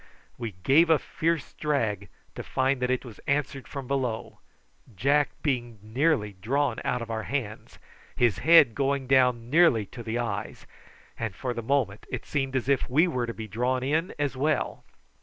We gave a fierce drag, to find that it was answered from below, Jack being nearly drawn out of our hands, his head going down nearly to the eyes, and for the moment it seemed as if we were to be drawn in as well.